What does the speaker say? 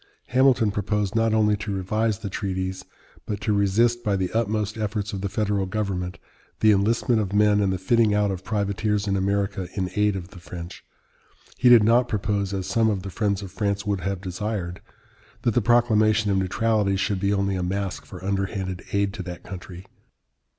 Hamilton proposed not only to revise the treaties, but to resist by the utmost efforts of the federal government the enlistment of men and the fitting out of privateers in America in aid of the French. He did not propose, as some of the friends of France would have desired, that the proclamation of neutrality should be only a mask for underhanded aid to that country.